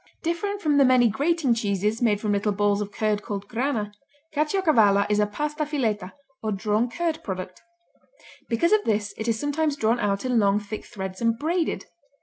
Different from the many grating cheeses made from little balls of curd called grana, Caciocavallo is a pasta fileta, or drawn curd product. Because of this it is sometimes drawn out in long thick threads and braided.